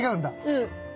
うん。